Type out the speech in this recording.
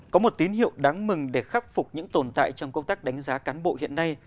có một tín hiệu đáng mừng để khắc phục những tồn tại trong công tác đánh giá cán bộ hiện nay